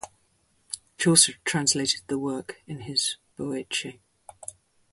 Chaucer translated the work in his "Boece".